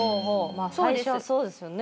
最初はそうですよね